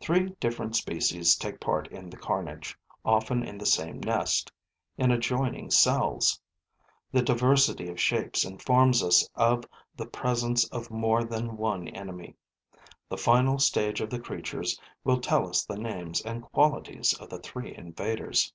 Three different species take part in the carnage, often in the same nest, in adjoining cells. The diversity of shapes informs us of the presence of more than one enemy; the final stage of the creatures will tell us the names and qualities of the three invaders.